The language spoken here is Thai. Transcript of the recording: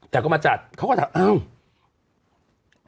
แต่ก็มาจัดเขาก็ถาม